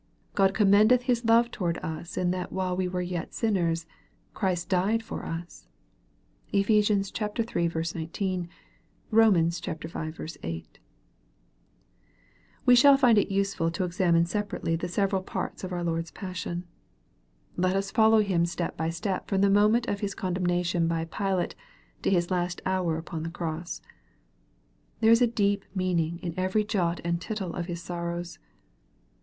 " God com mendeth His love toward us in that while we were yet sinners, Christ died for us." (Ephes. iii. 19 ; Rom. v. 8.) We shall find it useful to examine separately the several parts of our Lord's passion. Let us follow Him step by step from the moment of His condemnation by Pilate to His last hour upon the cross. There is a deep meaning in every jot and tittle of His sorrows.